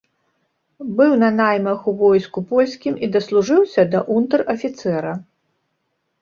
Быў на наймах у войску польскім і даслужыўся да унтэр-афіцэра.